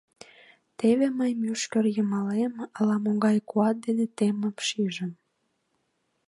Теве мый мӱшкыр йымалем ала-могай куат дене теммым шижым.